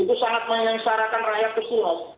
itu sangat menyengsarakan rakyat kecil mas